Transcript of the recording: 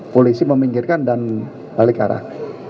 polisi meminggirkan dan balik arah